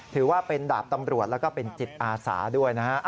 ถือว่าเป็นดาบตำรวจแล้วก็เป็นจิตอาสาด้วยนะฮะ